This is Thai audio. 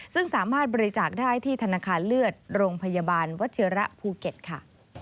ซึ่งสามารถบริจาคได้ที่ธนาคารเลือดโรงพยาบาลวัชิระภูเก็ตค่ะ